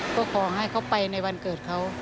ก็ขอให้เขาไปในวันเกิดเขา